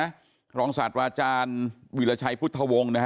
หลังศาสตร์วาจารย์วิรชัยพุทธวงศ์